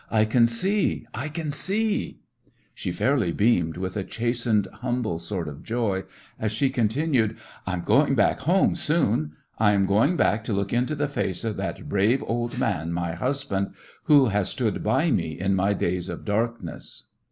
I can see ! I can see !" She fairly beamed, with a chastened, humble sort of joy, as she continued : "I am going back home soon. I am going to look into the face of that brave old man, my husband, who has stood by me in my days of darkness.